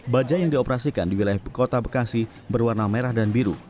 bajai yang dioperasikan di wilayah kota bekasi berwarna merah dan biru